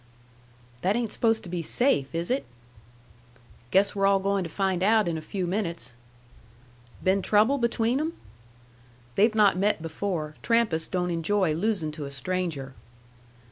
"That ain't supposed to be safe, is it?" "Guess we're all goin' to find out in a few minutes." "Been trouble between 'em?" "They've not met before. Trampas don't enjoy losin' to a stranger."